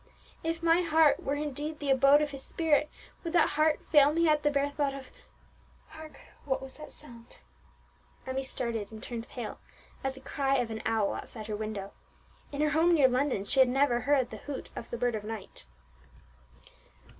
If my heart were indeed the abode of His Spirit, would that heart fail me at the bare thought of hark! what was that sound?" Emmie started and turned pale at the cry of an owl outside her window; in her home near London she had never heard the hoot of the bird of night.